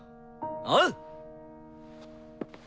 おう！